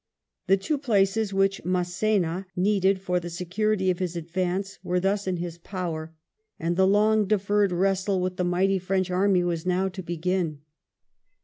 The two places which Mass^na needed for the security of his advance were thus in his power, and 134 WELLINGTON the long deferred wrestle with the mighty French army was now to begin.